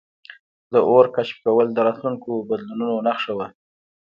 د اور کشف کول د راتلونکو بدلونونو نښه وه.